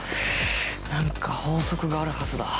何か法則があるはずだ。